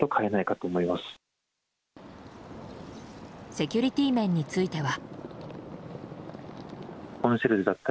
セキュリティー面については。